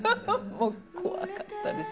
もう怖かったです。